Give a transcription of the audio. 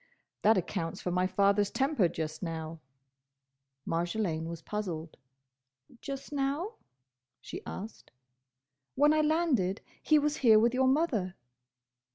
"That accounts for my father's temper just now." Marjolaine was puzzled. "Just now?" she asked. "When I landed, he was here with your mother."